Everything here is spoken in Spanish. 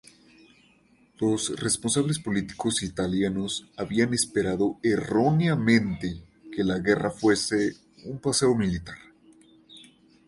Los responsables políticos italianos habían esperado erróneamente que la guerra fuese un paseo militar.